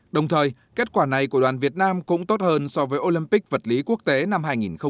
đồng thời kết quả này của đoàn việt nam cũng tốt hơn so với olympic vật lý quốc tế năm hai nghìn một mươi chín